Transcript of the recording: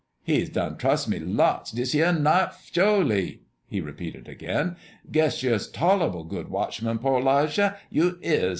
"He's done trus' me lots dis yere night, sho'ly," he repeated again. "Guess you's a tol'able good watchman, po' ole 'Lijah, you is.